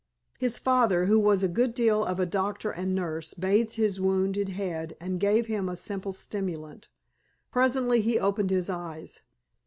His father, who was a good deal of a doctor and nurse, bathed his wounded head and gave him a simple stimulant. Presently he opened his eyes.